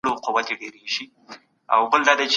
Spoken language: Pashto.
ځوان نسل د ټولني هيله ده.